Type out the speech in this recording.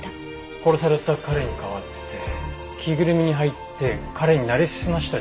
殺された彼に代わって着ぐるみに入って彼になりすました人物がいる。